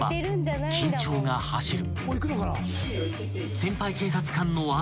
［緊張が走る］